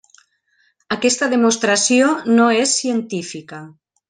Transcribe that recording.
Aquesta demostració no és científica.